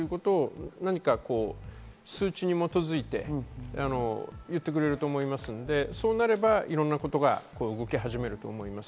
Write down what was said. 数値に基づいていってくれると思いますので、そうなるといろんなことが動き始めると思います。